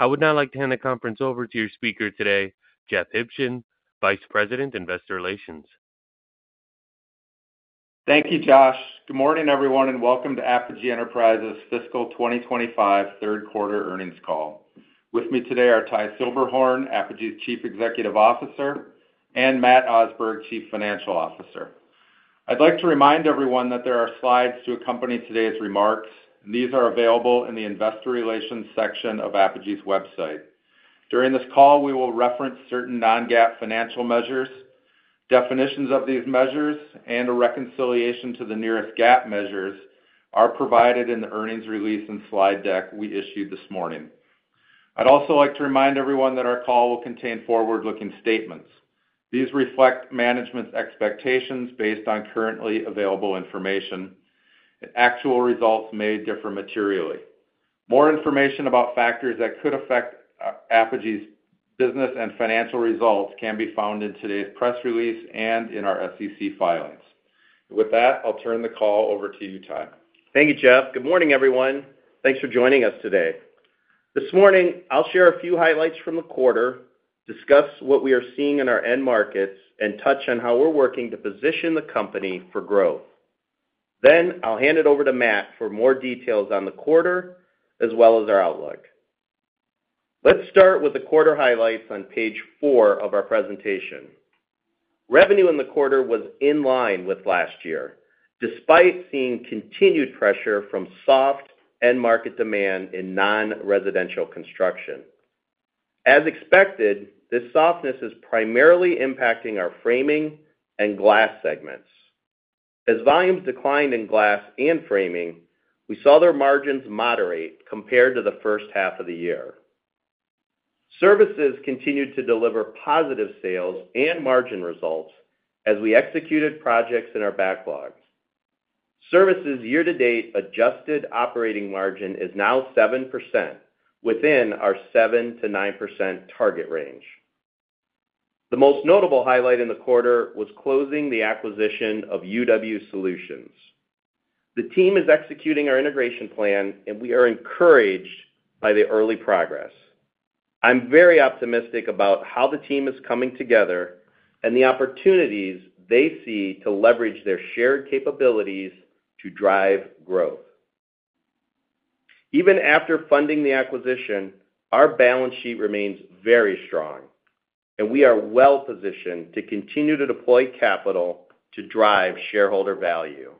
I would now like to hand the conference over to your speaker today, Jeff Huebschen, Vice President, Investor Relations. Thank you, Josh. Good morning, everyone, and welcome to Apogee Enterprises' fiscal 2025 third quarter earnings call. With me today are Ty Silberhorn, Apogee's Chief Executive Officer, and Matt Osberg, Chief Financial Officer. I'd like to remind everyone that there are slides to accompany today's remarks, and these are available in the Investor Relations section of Apogee's website. During this call, we will reference certain non-GAAP financial measures. Definitions of these measures and a reconciliation to the nearest GAAP measures are provided in the earnings release and slide deck we issued this morning. I'd also like to remind everyone that our call will contain forward-looking statements. These reflect management's expectations based on currently available information, and actual results may differ materially. More information about factors that could affect Apogee's business and financial results can be found in today's press release and in our SEC filings. With that, I'll turn the call over to you, Ty. Thank you, Jeff. Good morning, everyone. Thanks for joining us today. This morning, I'll share a few highlights from the quarter, discuss what we are seeing in our end markets, and touch on how we're working to position the company for growth. Then I'll hand it over to Matt for more details on the quarter as well as our outlook. Let's start with the quarter highlights on page four of our presentation. Revenue in the quarter was in line with last year, despite seeing continued pressure from soft end-market demand in non-residential construction. As expected, this softness is primarily impacting our framing and glass segments. As volumes declined in glass and framing, we saw their margins moderate compared to the first half of the year. Services continued to deliver positive sales and margin results as we executed projects in our backlog. Services' year-to-date adjusted operating margin is now 7% within our 7%-9% target range. The most notable highlight in the quarter was closing the acquisition of UW Solutions. The team is executing our integration plan, and we are encouraged by the early progress. I'm very optimistic about how the team is coming together and the opportunities they see to leverage their shared capabilities to drive growth. Even after funding the acquisition, our balance sheet remains very strong, and we are well-positioned to continue to deploy capital to drive shareholder value.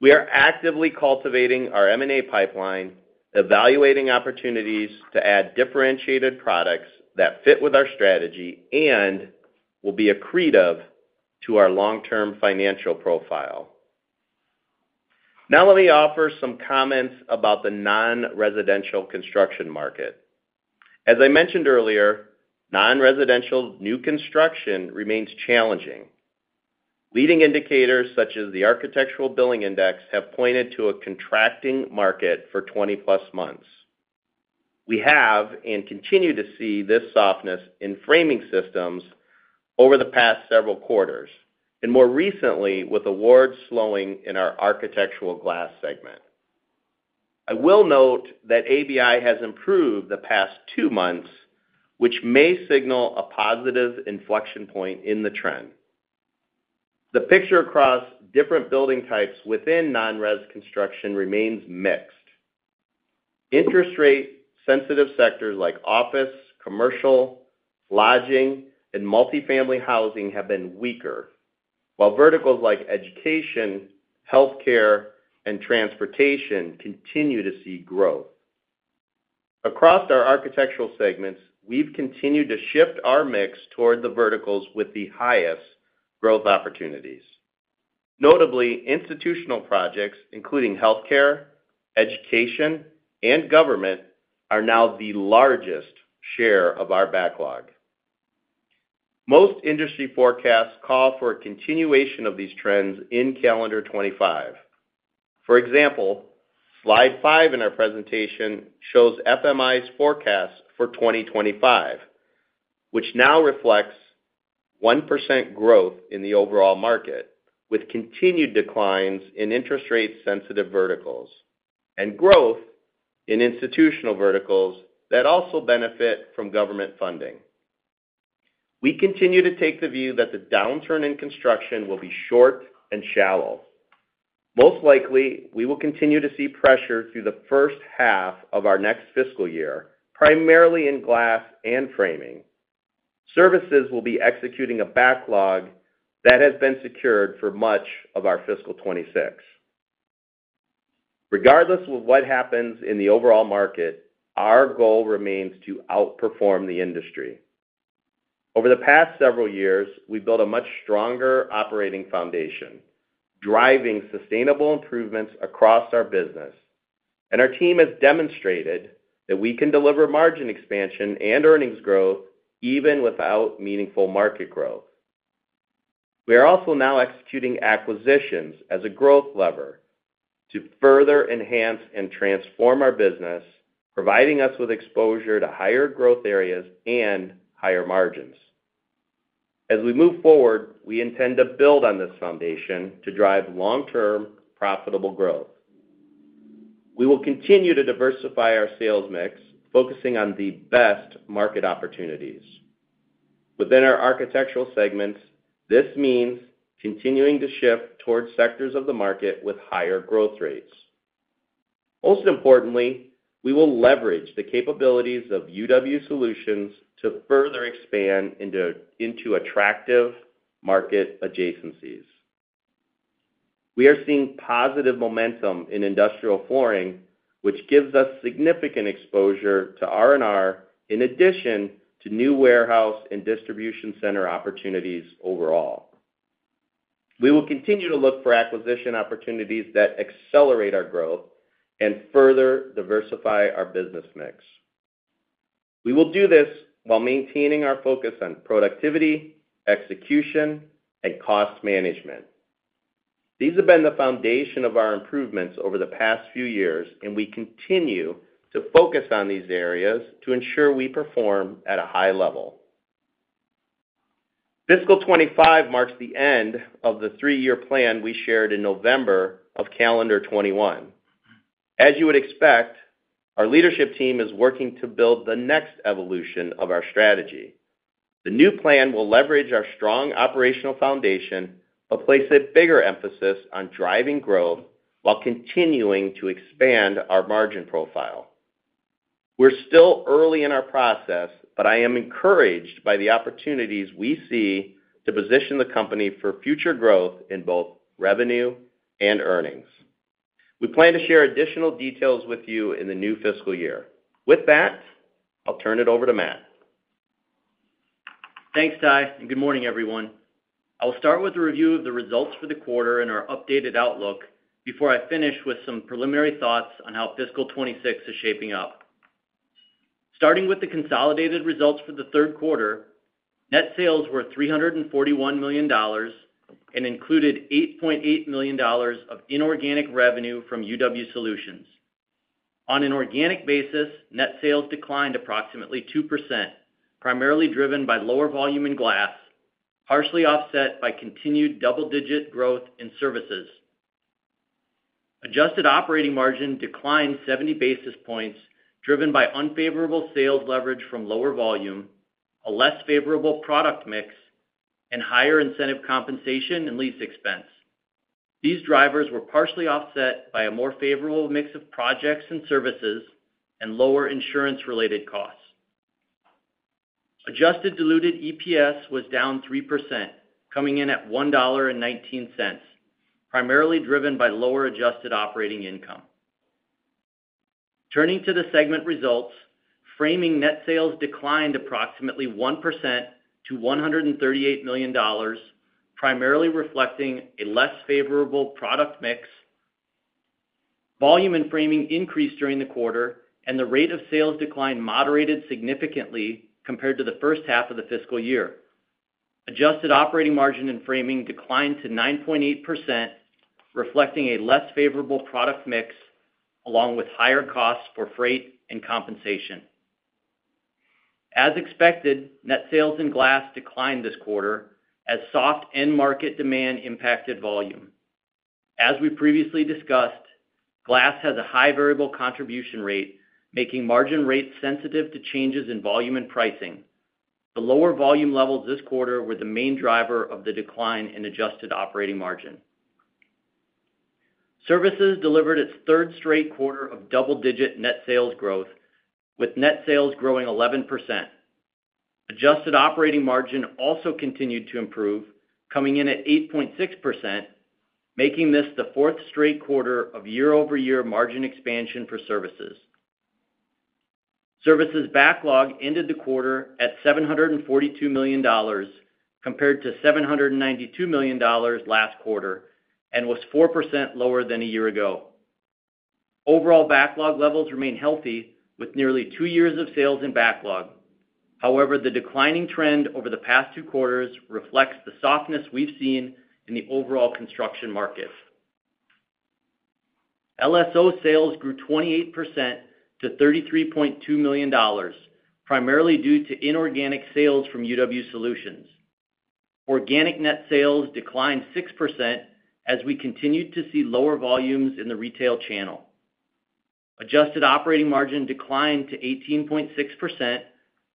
We are actively cultivating our M&A pipeline, evaluating opportunities to add differentiated products that fit with our strategy and will be accretive to our long-term financial profile. Now, let me offer some comments about the non-residential construction market. As I mentioned earlier, non-residential new construction remains challenging. Leading indicators such as the Architectural Billing Index have pointed to a contracting market for 20-plus months. We have and continue to see this softness in framing systems over the past several quarters, and more recently with awards slowing in our architectural glass segment. I will note that ABI has improved the past two months, which may signal a positive inflection point in the trend. The picture across different building types within non-res construction remains mixed. Interest-rate-sensitive sectors like office, commercial, lodging, and multifamily housing have been weaker, while verticals like education, healthcare, and transportation continue to see growth. Across our architectural segments, we've continued to shift our mix toward the verticals with the highest growth opportunities. Notably, institutional projects, including healthcare, education, and government, are now the largest share of our backlog. Most industry forecasts call for a continuation of these trends in calendar 2025. For example, slide five in our presentation shows FMI's forecast for 2025, which now reflects 1% growth in the overall market, with continued declines in interest-rate-sensitive verticals and growth in institutional verticals that also benefit from government funding. We continue to take the view that the downturn in construction will be short and shallow. Most likely, we will continue to see pressure through the first half of our next fiscal year, primarily in glass and framing. Services will be executing a backlog that has been secured for much of our fiscal '26. Regardless of what happens in the overall market, our goal remains to outperform the industry. Over the past several years, we built a much stronger operating foundation, driving sustainable improvements across our business, and our team has demonstrated that we can deliver margin expansion and earnings growth even without meaningful market growth. We are also now executing acquisitions as a growth lever to further enhance and transform our business, providing us with exposure to higher growth areas and higher margins. As we move forward, we intend to build on this foundation to drive long-term profitable growth. We will continue to diversify our sales mix, focusing on the best market opportunities. Within our architectural segments, this means continuing to shift toward sectors of the market with higher growth rates. Most importantly, we will leverage the capabilities of UW Solutions to further expand into attractive market adjacencies. We are seeing positive momentum in industrial flooring, which gives us significant exposure to R&R, in addition to new warehouse and distribution center opportunities overall. We will continue to look for acquisition opportunities that accelerate our growth and further diversify our business mix. We will do this while maintaining our focus on productivity, execution, and cost management. These have been the foundation of our improvements over the past few years, and we continue to focus on these areas to ensure we perform at a high level. Fiscal 2025 marks the end of the three-year plan we shared in November of calendar 2021. As you would expect, our leadership team is working to build the next evolution of our strategy. The new plan will leverage our strong operational foundation, but place a bigger emphasis on driving growth while continuing to expand our margin profile. We're still early in our process, but I am encouraged by the opportunities we see to position the company for future growth in both revenue and earnings. We plan to share additional details with you in the new fiscal year. With that, I'll turn it over to Matt. Thanks, Ty, and good morning, everyone. I'll start with a review of the results for the quarter and our updated outlook before I finish with some preliminary thoughts on how fiscal 2026 is shaping up. Starting with the consolidated results for the third quarter, net sales were $341 million and included $8.8 million of inorganic revenue from UW Solutions. On an organic basis, net sales declined approximately 2%, primarily driven by lower volume in glass, partially offset by continued double-digit growth in services. Adjusted operating margin declined 70 basis points, driven by unfavorable sales leverage from lower volume, a less favorable product mix, and higher incentive compensation and lease expense. These drivers were partially offset by a more favorable mix of projects and services and lower insurance-related costs. Adjusted diluted EPS was down 3%, coming in at $1.19, primarily driven by lower adjusted operating income. Turning to the segment results, Framing net sales declined approximately 1% to $138 million, primarily reflecting a less favorable product mix. Volume and Framing increased during the quarter, and the rate of sales decline moderated significantly compared to the first half of the fiscal year. Adjusted operating margin and Framing declined to 9.8%, reflecting a less favorable product mix, along with higher costs for freight and compensation. As expected, net sales in Glass declined this quarter as soft end-market demand impacted volume. As we previously discussed, Glass has a high variable contribution rate, making margin rates sensitive to changes in volume and pricing. The lower volume levels this quarter were the main driver of the decline in adjusted operating margin. Services delivered its third straight quarter of double-digit net sales growth, with net sales growing 11%. Adjusted operating margin also continued to improve, coming in at 8.6%, making this the fourth straight quarter of year-over-year margin expansion for services. Services backlog ended the quarter at $742 million compared to $792 million last quarter and was 4% lower than a year ago. Overall backlog levels remain healthy with nearly two years of sales in backlog. However, the declining trend over the past two quarters reflects the softness we've seen in the overall construction market. LSO sales grew 28% to $33.2 million, primarily due to inorganic sales from UW Solutions. Organic net sales declined 6% as we continued to see lower volumes in the retail channel. Adjusted operating margin declined to 18.6%,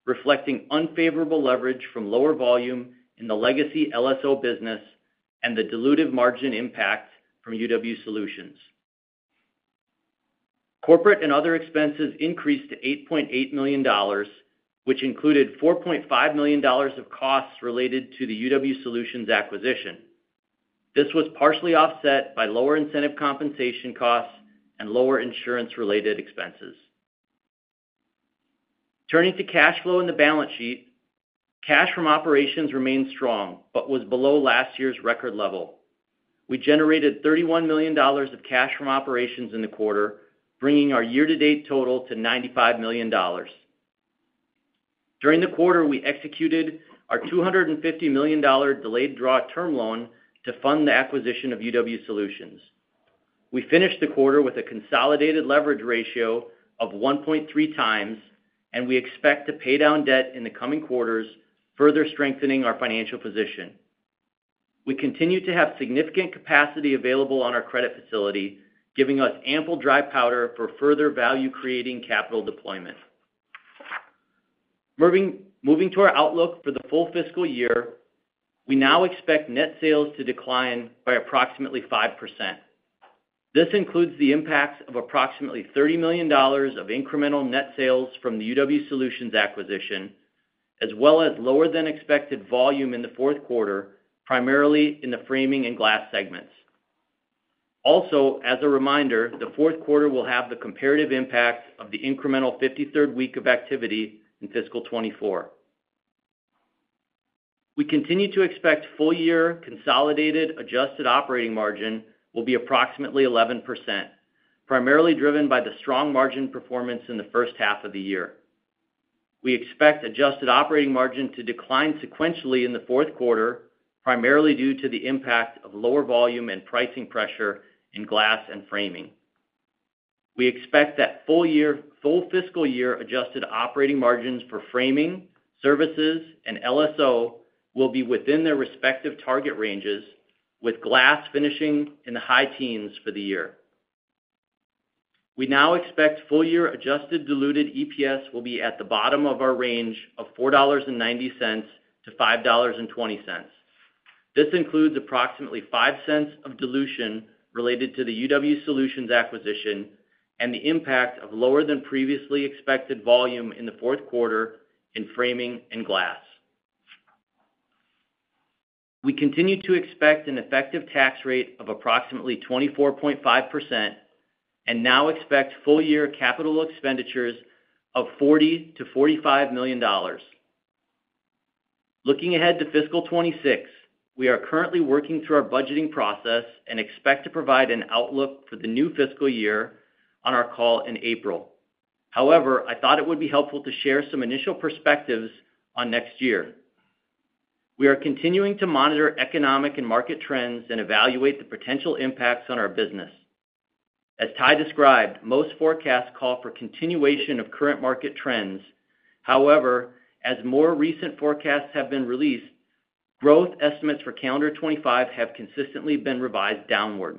reflecting unfavorable leverage from lower volume in the legacy LSO business and the diluted margin impact from UW Solutions. Corporate and other expenses increased to $8.8 million, which included $4.5 million of costs related to the UW Solutions acquisition. This was partially offset by lower incentive compensation costs and lower insurance-related expenses. Turning to cash flow in the balance sheet, cash from operations remained strong but was below last year's record level. We generated $31 million of cash from operations in the quarter, bringing our year-to-date total to $95 million. During the quarter, we executed our $250 million delayed draw term loan to fund the acquisition of UW Solutions. We finished the quarter with a consolidated leverage ratio of 1.3 times, and we expect to pay down debt in the coming quarters, further strengthening our financial position. We continue to have significant capacity available on our credit facility, giving us ample dry powder for further value-creating capital deployment. Moving to our outlook for the full fiscal year, we now expect net sales to decline by approximately 5%. This includes the impacts of approximately $30 million of incremental net sales from the UW Solutions acquisition, as well as lower-than-expected volume in the fourth quarter, primarily in the framing and glass segments. Also, as a reminder, the fourth quarter will have the comparative impact of the incremental 53rd week of activity in fiscal 2024. We continue to expect full-year consolidated adjusted operating margin will be approximately 11%, primarily driven by the strong margin performance in the first half of the year. We expect adjusted operating margin to decline sequentially in the fourth quarter, primarily due to the impact of lower volume and pricing pressure in glass and framing. We expect that full fiscal year adjusted operating margins for framing, services, and LSO will be within their respective target ranges, with glass finishing in the high teens for the year. We now expect full-year adjusted diluted EPS will be at the bottom of our range of $4.90-$5.20. This includes approximately $0.05 of dilution related to the UW Solutions acquisition and the impact of lower-than-previously expected volume in the fourth quarter in framing and glass. We continue to expect an effective tax rate of approximately 24.5% and now expect full-year capital expenditures of $40-$45 million. Looking ahead to fiscal 2026, we are currently working through our budgeting process and expect to provide an outlook for the new fiscal year on our call in April. However, I thought it would be helpful to share some initial perspectives on next year. We are continuing to monitor economic and market trends and evaluate the potential impacts on our business. As Ty described, most forecasts call for continuation of current market trends. However, as more recent forecasts have been released, growth estimates for calendar 2025 have consistently been revised downward.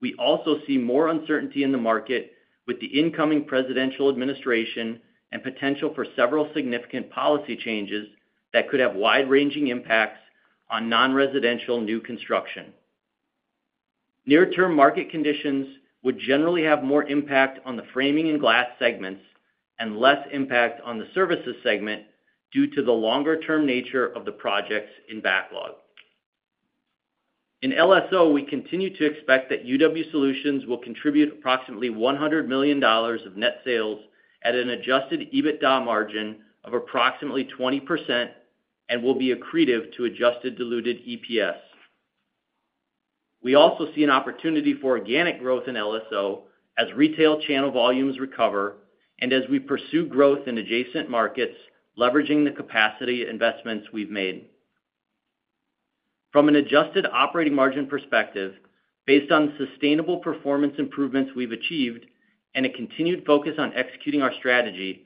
We also see more uncertainty in the market with the incoming presidential administration and potential for several significant policy changes that could have wide-ranging impacts on non-residential new construction. Near-term market conditions would generally have more impact on the framing and glass segments and less impact on the services segment due to the longer-term nature of the projects in backlog. In LSO, we continue to expect that UW Solutions will contribute approximately $100 million of net sales at an adjusted EBITDA margin of approximately 20% and will be accretive to adjusted diluted EPS. We also see an opportunity for organic growth in LSO as retail channel volumes recover and as we pursue growth in adjacent markets, leveraging the capacity investments we've made. From an adjusted operating margin perspective, based on sustainable performance improvements we've achieved and a continued focus on executing our strategy,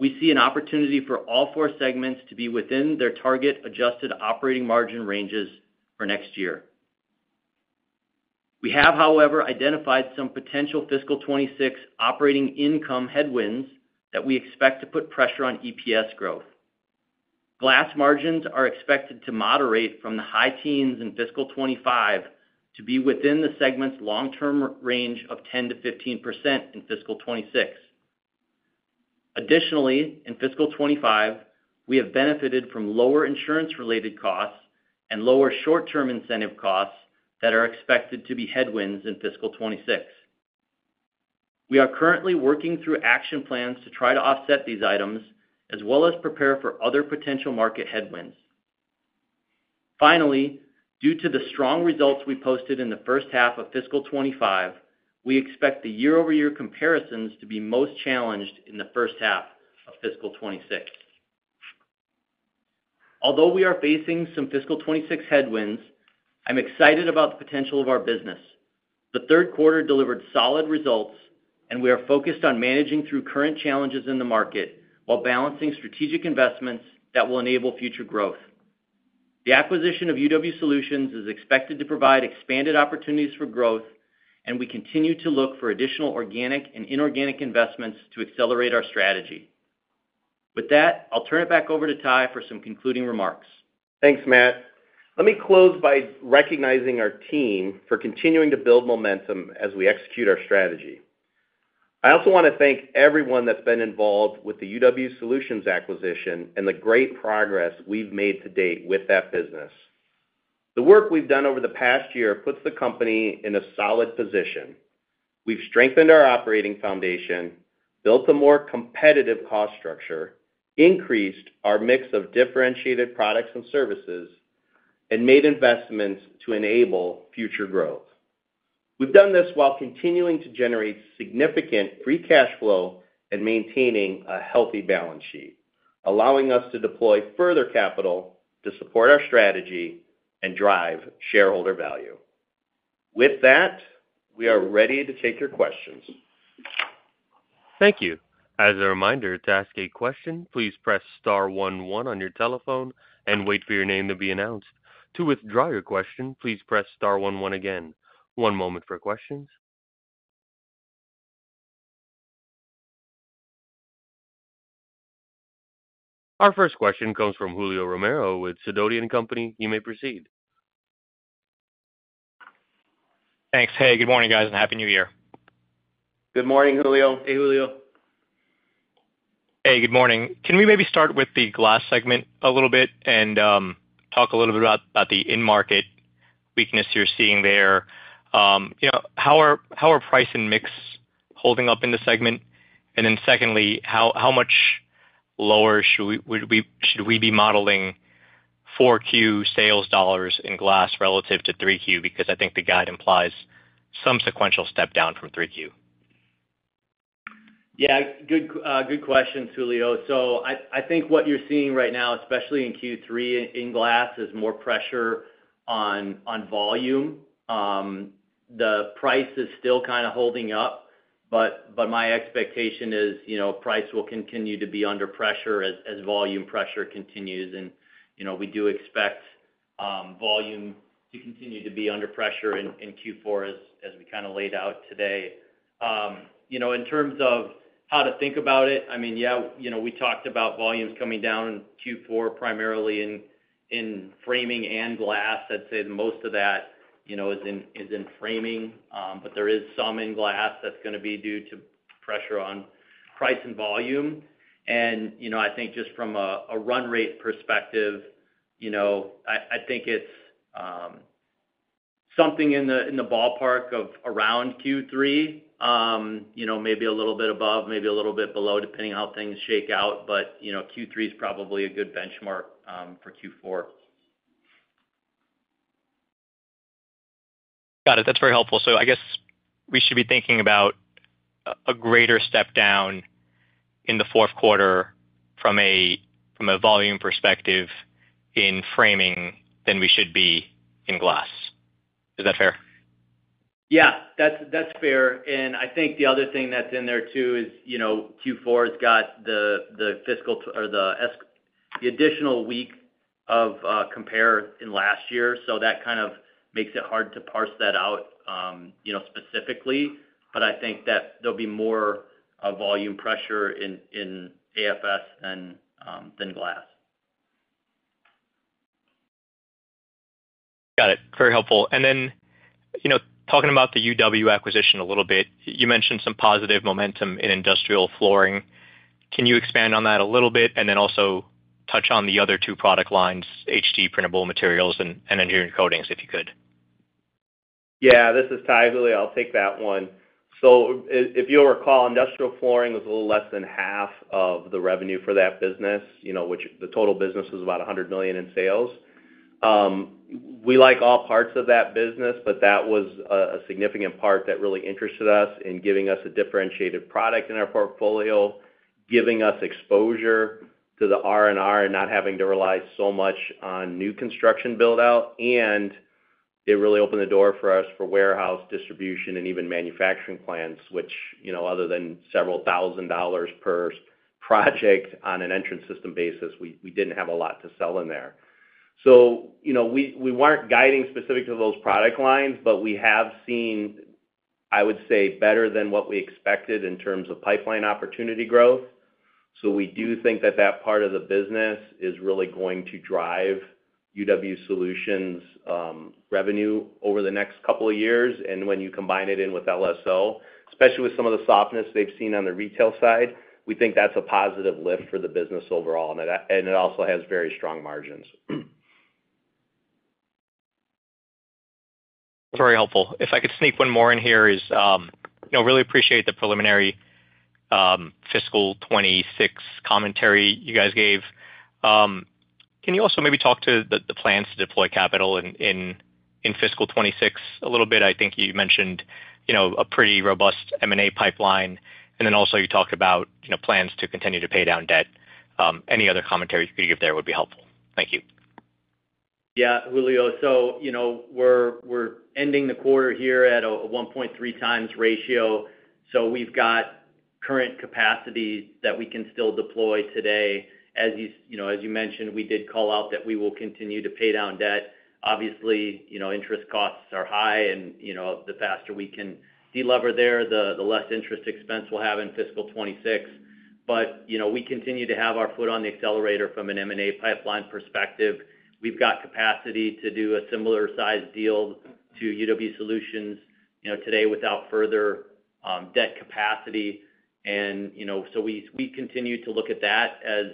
we see an opportunity for all four segments to be within their target adjusted operating margin ranges for next year. We have, however, identified some potential Fiscal 2026 operating income headwinds that we expect to put pressure on EPS growth. Glass margins are expected to moderate from the high teens in Fiscal 2025 to be within the segment's long-term range of 10%-15% in Fiscal 2026. Additionally, in Fiscal 2025, we have benefited from lower insurance-related costs and lower short-term incentive costs that are expected to be headwinds in Fiscal 2026. We are currently working through action plans to try to offset these items as well as prepare for other potential market headwinds. Finally, due to the strong results we posted in the first half of fiscal 2025, we expect the year-over-year comparisons to be most challenged in the first half of fiscal 2026. Although we are facing some fiscal 2026 headwinds, I'm excited about the potential of our business. The third quarter delivered solid results, and we are focused on managing through current challenges in the market while balancing strategic investments that will enable future growth. The acquisition of UW Solutions is expected to provide expanded opportunities for growth, and we continue to look for additional organic and inorganic investments to accelerate our strategy. With that, I'll turn it back over to Ty for some concluding remarks. Thanks, Matt. Let me close by recognizing our team for continuing to build momentum as we execute our strategy. I also want to thank everyone that's been involved with the UW Solutions acquisition and the great progress we've made to date with that business. The work we've done over the past year puts the company in a solid position. We've strengthened our operating foundation, built a more competitive cost structure, increased our mix of differentiated products and services, and made investments to enable future growth. We've done this while continuing to generate significant free cash flow and maintaining a healthy balance sheet, allowing us to deploy further capital to support our strategy and drive shareholder value. With that, we are ready to take your questions. Thank you. As a reminder, to ask a question, please press star 11 on your telephone and wait for your name to be announced. To withdraw your question, please press star 11 again. One moment for questions. Our first question comes from Julio Romero with Sidoti & Company. You may proceed. Thanks. Hey, good morning, guys, and happy new year. Good morning, Julio. Hey, Julio. Hey, good morning. Can we maybe start with the glass segment a little bit and talk a little bit about the in-market weakness you're seeing there? How are price and mix holding up in the segment? And then secondly, how much lower should we be modeling 4Q sales dollars in glass relative to 3Q? Because I think the guide implies some sequential step down from 3Q. Yeah, good question, Julio. So I think what you're seeing right now, especially in Q3 in glass, is more pressure on volume. The price is still kind of holding up, but my expectation is price will continue to be under pressure as volume pressure continues. And we do expect volume to continue to be under pressure in Q4, as we kind of laid out today. In terms of how to think about it, I mean, yeah, we talked about volumes coming down in Q4, primarily in framing and glass. I'd say most of that is in framing, but there is some in glass that's going to be due to pressure on price and volume. And I think just from a run rate perspective, I think it's something in the ballpark of around Q3, maybe a little bit above, maybe a little bit below, depending on how things shake out. But Q3 is probably a good benchmark for Q4. Got it. That's very helpful. So I guess we should be thinking about a greater step down in the fourth quarter from a volume perspective in framing than we should be in glass. Is that fair? Yeah, that's fair. And I think the other thing that's in there too is Q4 has got the additional week of compare in last year. So that kind of makes it hard to parse that out specifically. But I think that there'll be more volume pressure in AFS than glass. Got it. Very helpful. And then talking about the UW acquisition a little bit, you mentioned some positive momentum in industrial flooring. Can you expand on that a little bit and then also touch on the other two product lines, HD Printable Materials and Engineered Coatings if you could? Yeah, this is Ty Silberhorn. I'll take that one. So if you'll recall, industrial flooring was a little less than half of the revenue for that business, which the total business was about $100 million in sales. We like all parts of that business, but that was a significant part that really interested us in giving us a differentiated product in our portfolio, giving us exposure to the R&R and not having to rely so much on new construction build-out. And it really opened the door for us for warehouse distribution and even manufacturing plants, which other than several thousand dollars per project on an entrance system basis, we didn't have a lot to sell in there. So we weren't guiding specific to those product lines, but we have seen, I would say, better than what we expected in terms of pipeline opportunity growth. So we do think that that part of the business is really going to drive UW Solutions' revenue over the next couple of years. And when you combine it in with LSO, especially with some of the softness they've seen on the retail side, we think that's a positive lift for the business overall. And it also has very strong margins. That's very helpful. If I could sneak one more in here, I really appreciate the preliminary fiscal 2026 commentary you guys gave. Can you also maybe talk to the plans to deploy capital in fiscal 2026 a little bit? I think you mentioned a pretty robust M&A pipeline. And then also you talked about plans to continue to pay down debt. Any other commentary you could give there would be helpful. Thank you. Yeah, Julio. So we're ending the quarter here at a 1.3 times ratio. So we've got current capacity that we can still deploy today. As you mentioned, we did call out that we will continue to pay down debt. Obviously, interest costs are high, and the faster we can delever there, the less interest expense we'll have in fiscal 2026. But we continue to have our foot on the accelerator from an M&A pipeline perspective. We've got capacity to do a similar-sized deal to UW Solutions today without further debt capacity. And so we continue to look at that as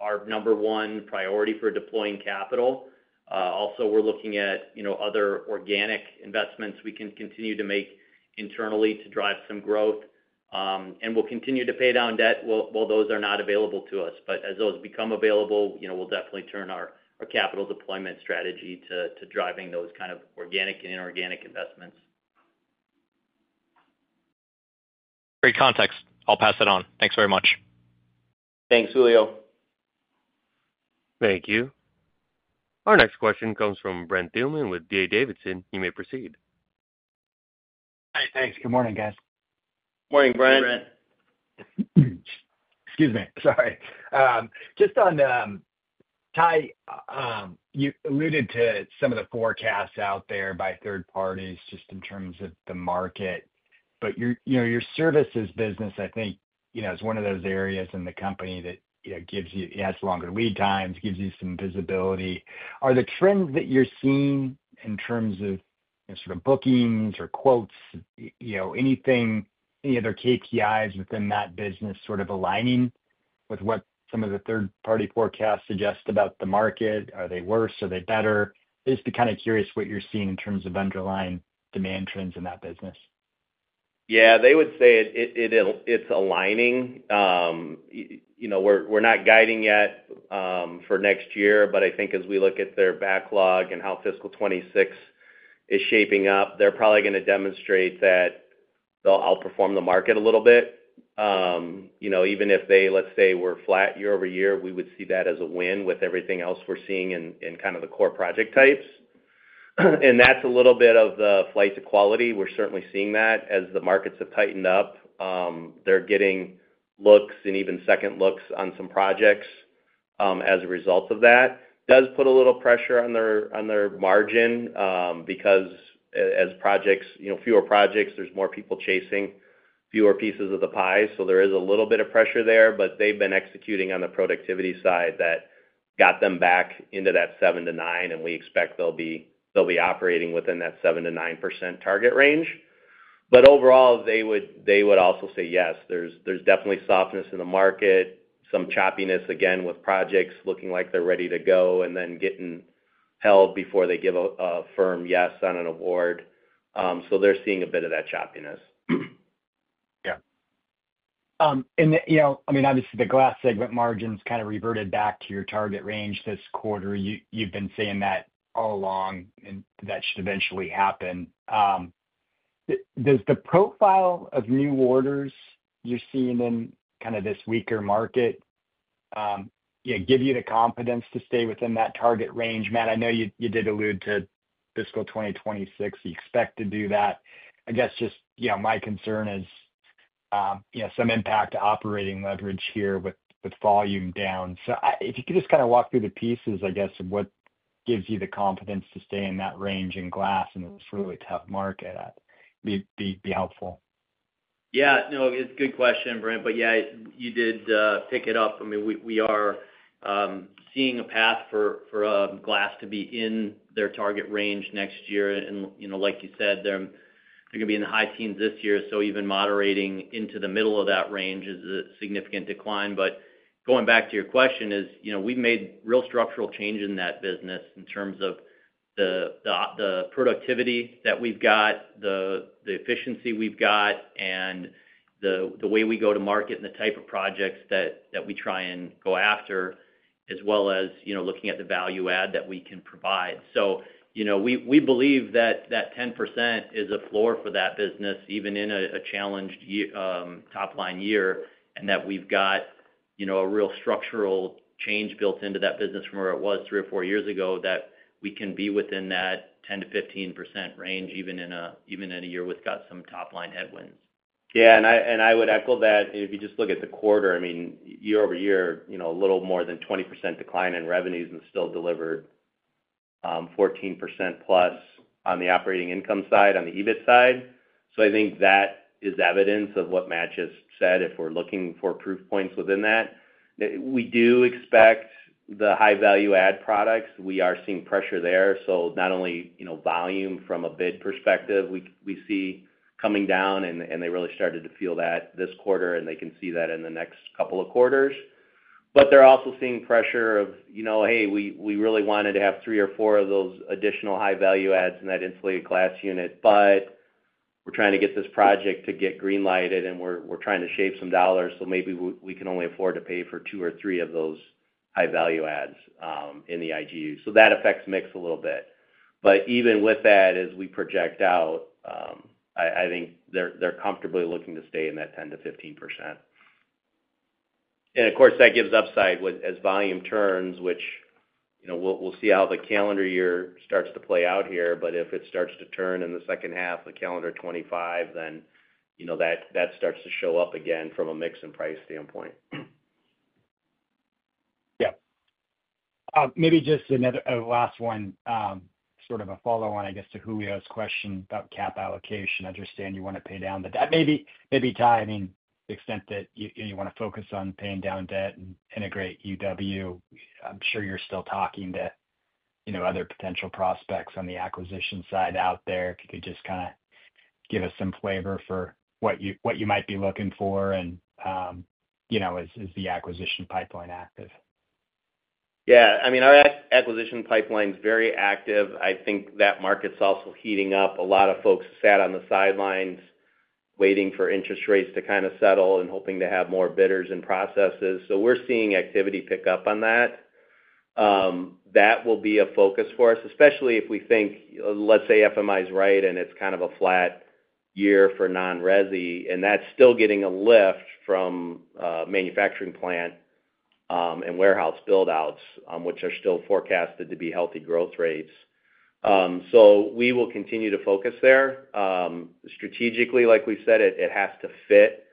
our number one priority for deploying capital. Also, we're looking at other organic investments we can continue to make internally to drive some growth. And we'll continue to pay down debt while those are not available to us. But as those become available, we'll definitely turn our capital deployment strategy to driving those kind of organic and inorganic investments. Great context. I'll pass it on. Thanks very much. Thanks, Julio. Thank you. Our next question comes from Brent Thielman with D.A. Davidson. You may proceed. Hi, thanks. Good morning, guys. Morning, Brent. Excuse me. Sorry. Just on Ty, you alluded to some of the forecasts out there by third parties just in terms of the market. But your services business, I think, is one of those areas in the company that gives you it has longer lead times, gives you some visibility. Are the trends that you're seeing in terms of sort of bookings or quotes, any other KPIs within that business sort of aligning with what some of the third-party forecasts suggest about the market? Are they worse? Are they better? Just be kind of curious what you're seeing in terms of underlying demand trends in that business. Yeah, they would say it's aligning. We're not guiding yet for next year, but I think as we look at their backlog and how Fiscal 2026 is shaping up, they're probably going to demonstrate that they'll outperform the market a little bit. Even if they, let's say, were flat year over year, we would see that as a win with everything else we're seeing in kind of the core project types, and that's a little bit of the flight to quality. We're certainly seeing that as the markets have tightened up. They're getting looks and even second looks on some projects as a result of that. Does put a little pressure on their margin because as fewer projects, there's more people chasing fewer pieces of the pie, so there is a little bit of pressure there, but they've been executing on the productivity side that got them back into that 7-9, and we expect they'll be operating within that 7%-9% target range, but overall, they would also say yes. There's definitely softness in the market, some choppiness again with projects looking like they're ready to go and then getting held before they give a firm yes on an award. So they're seeing a bit of that choppiness. Yeah. And I mean, obviously, the glass segment margins kind of reverted back to your target range this quarter. You've been saying that all along, and that should eventually happen. Does the profile of new orders you're seeing in kind of this weaker market give you the confidence to stay within that target range? Matt, I know you did allude to fiscal 2026. You expect to do that. I guess just my concern is some impact to operating leverage here with volume down. So if you could just kind of walk through the pieces, I guess, of what gives you the confidence to stay in that range in glass in this really tough market, be helpful. Yeah. No, it's a good question, Brent. But yeah, you did pick it up. I mean, we are seeing a path for glass to be in their target range next year. And like you said, they're going to be in the high teens this year. So even moderating into the middle of that range is a significant decline. But going back to your question is we've made real structural change in that business in terms of the productivity that we've got, the efficiency we've got, and the way we go to market and the type of projects that we try and go after, as well as looking at the value add that we can provide. So we believe that that 10% is a floor for that business, even in a challenged top-line year, and that we've got a real structural change built into that business from where it was three or four years ago that we can be within that 10%-15% range even in a year we've got some top-line headwinds. Yeah. And I would echo that. If you just look at the quarter, I mean, year over year, a little more than 20% decline in revenues and still delivered 14% plus on the operating income side on the EBIT side. So I think that is evidence of what Matt just said if we're looking for proof points within that. We do expect the high-value-add products. We are seeing pressure there. So not only volume from a bid perspective we see coming down, and they really started to feel that this quarter, and they can see that in the next couple of quarters. But they're also seeing pressure of, "Hey, we really wanted to have three or four of those additional high-value adds in that insulated glass unit, but we're trying to get this project to get greenlighted, and we're trying to shave some dollars. So maybe we can only afford to pay for two or three of those high-value adds in the IGU." So that affects mix a little bit. But even with that, as we project out, I think they're comfortably looking to stay in that 10%-15%. And of course, that gives upside as volume turns, which we'll see how the calendar year starts to play out here. But if it starts to turn in the second half of calendar 2025, then that starts to show up again from a mix and price standpoint. Yeah. Maybe just a last one, sort of a follow-on, I guess, to Julio's question about cap allocation. I understand you want to pay down the debt. Maybe, Ty, I mean, the extent that you want to focus on paying down debt and integrate UW, I'm sure you're still talking to other potential prospects on the acquisition side out there. If you could just kind of give us some flavor for what you might be looking for, and is the acquisition pipeline active? Yeah. I mean, our acquisition pipeline is very active. I think that market's also heating up. A lot of folks sat on the sidelines waiting for interest rates to kind of settle and hoping to have more bidders and processes. So we're seeing activity pick up on that. That will be a focus for us, especially if we think, let's say, FMI is right and it's kind of a flat year for non-resi, and that's still getting a lift from manufacturing plant and warehouse build-outs, which are still forecasted to be healthy growth rates. So we will continue to focus there. Strategically, like we said, it has to fit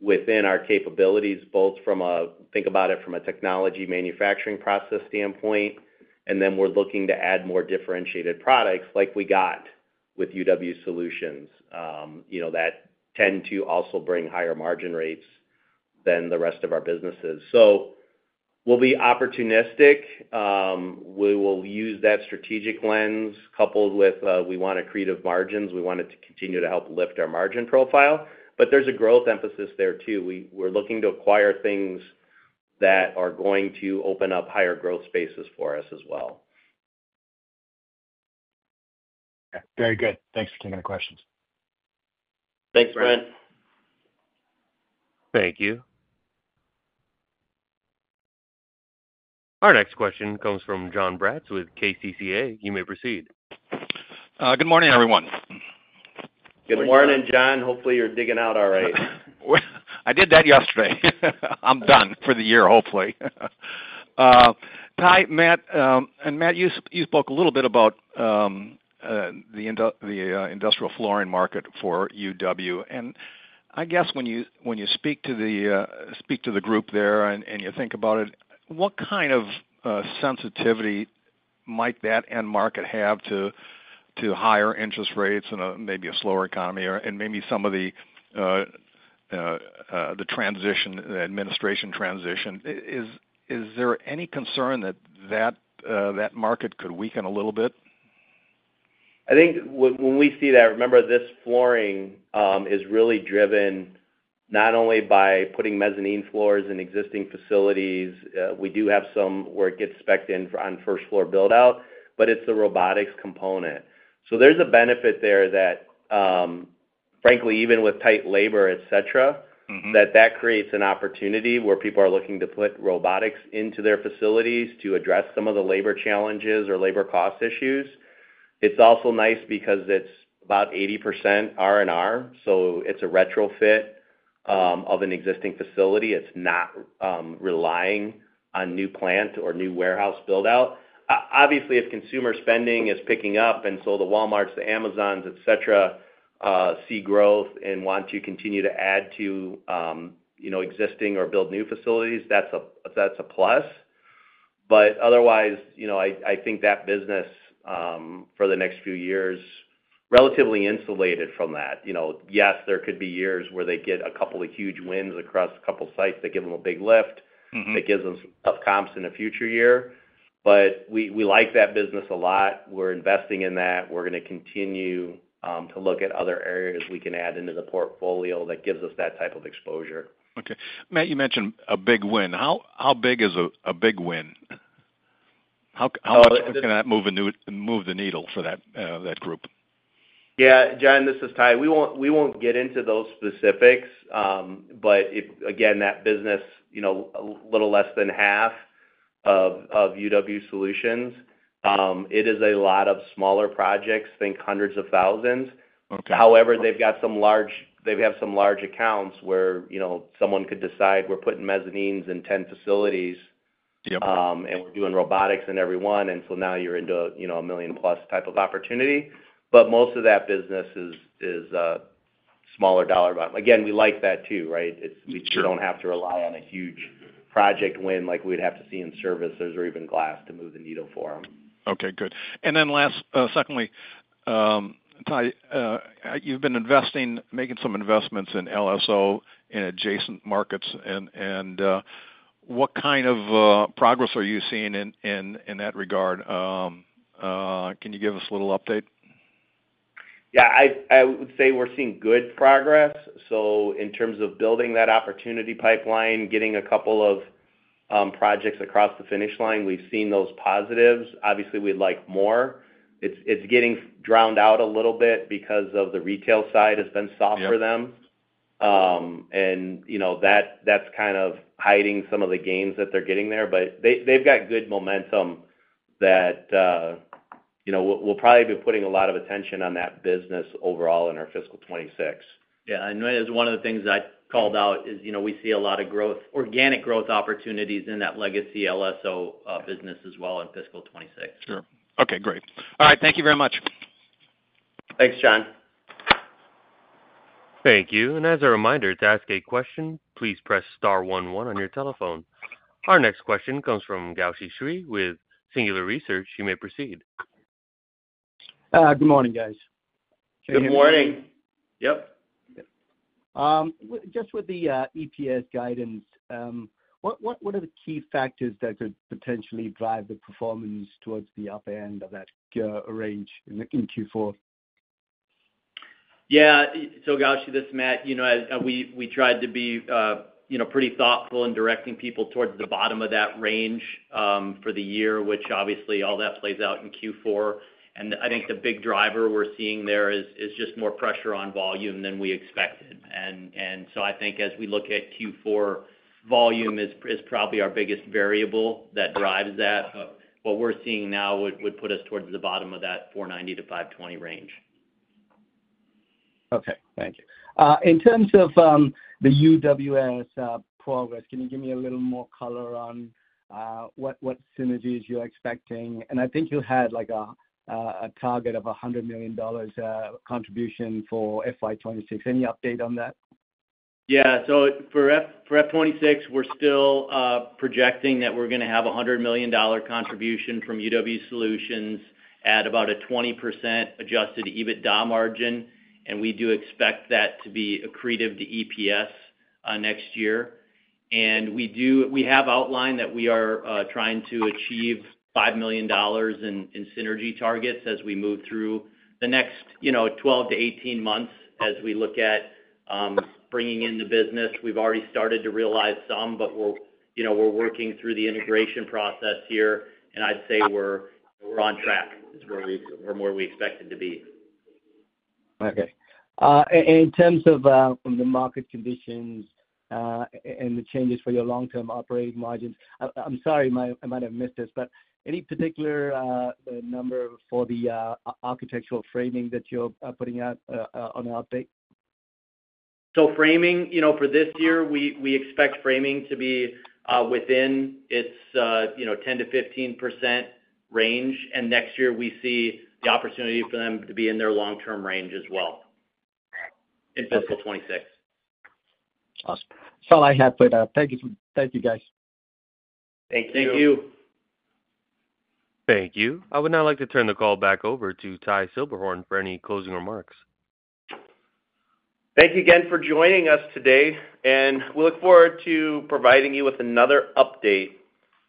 within our capabilities, both from a think about it from a technology manufacturing process standpoint, and then we're looking to add more differentiated products like we got with UW Solutions that tend to also bring higher margin rates than the rest of our businesses. So we'll be opportunistic. We will use that strategic lens coupled with we want to accretive margins. We want it to continue to help lift our margin profile. But there's a growth emphasis there too. We're looking to acquire things that are going to open up higher growth spaces for us as well. Okay. Very good. Thanks for taking the questions. Thanks, Brent. Thank you. Our next question comes from John Braatz with KCCA. You may proceed. Good morning, everyone. Good morning, John. Hopefully, you're digging out all right. I did that yesterday. I'm done for the year, hopefully. Ty, Matt, and Matt, you spoke a little bit about the industrial flooring market for UW. And I guess when you speak to the group there and you think about it, what kind of sensitivity might that end market have to higher interest rates and maybe a slower economy and maybe some of the administration transition? Is there any concern that that market could weaken a little bit? I think when we see that, remember, this flooring is really driven not only by putting mezzanine floors in existing facilities. We do have some where it gets specced in on first-floor build-out, but it's the robotics component. So there's a benefit there that, frankly, even with tight labor, etc., that that creates an opportunity where people are looking to put robotics into their facilities to address some of the labor challenges or labor cost issues. It's also nice because it's about 80% R&R. So it's a retrofit of an existing facility. It's not relying on new plant or new warehouse build-out. Obviously, if consumer spending is picking up and so the Walmarts, the Amazons, etc., see growth and want to continue to add to existing or build new facilities, that's a plus. But otherwise, I think that business for the next few years is relatively insulated from that. Yes, there could be years where they get a couple of huge wins across a couple of sites that give them a big lift that gives them some tough comps in a future year. But we like that business a lot. We're investing in that. We're going to continue to look at other areas we can add into the portfolio that gives us that type of exposure. Okay. Matt, you mentioned a big win. How big is a big win? How can that move the needle for that group? Yeah. John, this is Ty. We won't get into those specifics. But again, that business, a little less than half of UW Solutions, it is a lot of smaller projects, think hundreds of thousands. However, they've got some large accounts where someone could decide, "We're putting mezzanines in 10 facilities, and we're doing robotics in every one." And so now you're into a million-plus type of opportunity. But most of that business is smaller dollar amount. Again, we like that too, right? We don't have to rely on a huge project win like we'd have to see in services or even glass to move the needle for them. Okay. Good. And then secondly, Ty, you've been making some investments in LSO in adjacent markets. And what kind of progress are you seeing in that regard? Can you give us a little update? Yeah. I would say we're seeing good progress. So in terms of building that opportunity pipeline, getting a couple of projects across the finish line, we've seen those positives. Obviously, we'd like more. It's getting drowned out a little bit because of the retail side has been soft for them. And that's kind of hiding some of the gains that they're getting there. But they've got good momentum that we'll probably be putting a lot of attention on that business overall in our fiscal 2026. Yeah. And one of the things I called out is we see a lot of organic growth opportunities in that legacy LSO business as well in fiscal 2026. Sure. Okay. Great. All right. Thank you very much. Thanks, John. Thank you. And as a reminder, to ask a question, please press star 11 on your telephone. Our next question comes from Gaojia Shi with Singular Research. You may proceed. Good morning, guys. Good morning. Yep. Just with the EPS guidance, what are the key factors that could potentially drive the performance towards the upper end of that range in Q4? Yeah. So Gaojia, this is Matt. We tried to be pretty thoughtful in directing people towards the bottom of that range for the year, which obviously all that plays out in Q4. And I think the big driver we're seeing there is just more pressure on volume than we expected. And so I think as we look at Q4, volume is probably our biggest variable that drives that. But what we're seeing now would put us towards the bottom of that 490 to 520 range. Okay. Thank you. In terms of the UW Solutions progress, can you give me a little more color on what synergies you're expecting? And I think you had a target of $100 million contribution for FY26. Any update on that? Yeah. So for F26, we're still projecting that we're going to have a $100 million contribution from UW Solutions at about a 20% adjusted EBITDA margin. And we do expect that to be accretive to EPS next year. And we have outlined that we are trying to achieve $5 million in synergy targets as we move through the next 12 to 18 months as we look at bringing in the business. We've already started to realize some, but we're working through the integration process here. And I'd say we're on track from where we expected to be. Okay. In terms of the market conditions and the changes for your long-term operating margins, I'm sorry, I might have missed this, but any particular number for the architectural framing that you're putting out on the update? Framing for this year, we expect framing to be within its 10%-15% range. Next year, we see the opportunity for them to be in their long-term range as well in fiscal 2026. Awesome. That's all I have for that. Thank you. Thank you, guys. Thank you. Thank you. Thank you. I would now like to turn the call back over to Ty Silberhorn for any closing remarks. Thank you again for joining us today, and we look forward to providing you with another update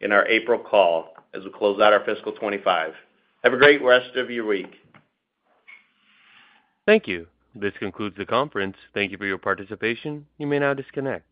in our April call as we close out our fiscal 2025. Have a great rest of your week. Thank you. This concludes the conference. Thank you for your participation. You may now disconnect.